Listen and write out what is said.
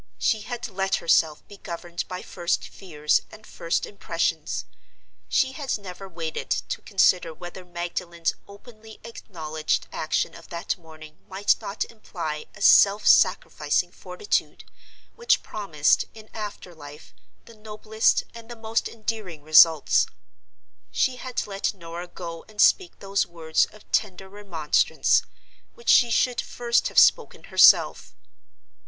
She had let herself be governed by first fears and first impressions; she had never waited to consider whether Magdalen's openly acknowledged action of that morning might not imply a self sacrificing fortitude, which promised, in after life, the noblest and the most enduring results. She had let Norah go and speak those words of tender remonstrance, which she should first have spoken herself.